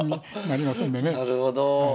なるほど。